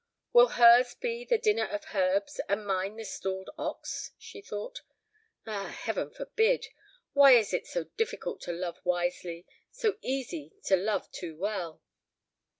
"Will hers be the dinner of herbs, and mine the stalled ox?" she thought. "Ah, Heaven forbid! Why is it so difficult to love wisely, so easy to love too well?"